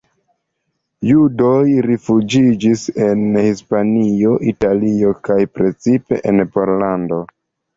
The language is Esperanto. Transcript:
Judoj rifuĝiĝis en Hispanio, Italio kaj precipe en Pollando.